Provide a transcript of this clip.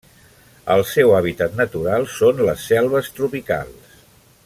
El seu hàbitat natural són les selves tropicals.